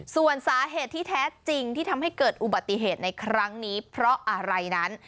ส่วนสาเหตุที่แท้จริงที่ทำให้เกิดอุบัติเหตุในครั้งนี้เพราะอะไรนั้น